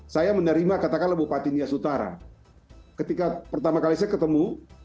saya menerima katakanlah bupati nias utara ketika pertama kali saya ketemu